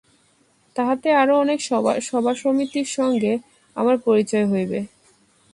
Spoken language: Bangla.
তাহাতে আরও অনেক সভাসমিতির সঙ্গে আমার পরিচয় হইবে।